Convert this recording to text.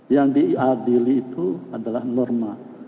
yang diadili itu adalah norma